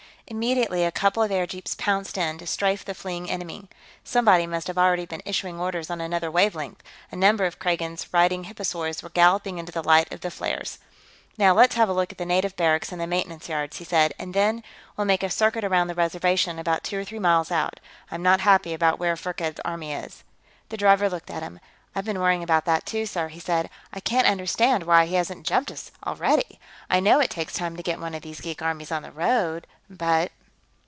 Immediately, a couple of airjeeps pounced in, to strafe the fleeing enemy. Somebody must have already been issuing orders on another wavelength; a number of Kragans, riding hipposaurs, were galloping into the light of the flares. "Now, let's have a look at the native barracks and the maintenance yards," he said. "And then, we'll make a circuit around the Reservation, about two or three miles out. I'm not happy about where Firkked's army is." The driver looked at him. "I've been worrying about that, too, sir," he said. "I can't understand why he hasn't jumped us, already. I know it takes time to get one of these geek armies on the road, but...."